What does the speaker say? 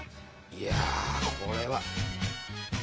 いやー、これは。